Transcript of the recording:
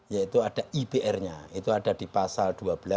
yaitu ada ipr nya itu ada di pasal dua belas tiga belas empat belas